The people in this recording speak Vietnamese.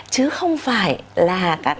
chứ không phải là